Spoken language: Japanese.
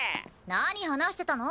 何話してたの？